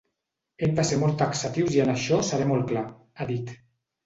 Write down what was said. Hem de ser molt taxatius i en això seré molt clar, ha dit.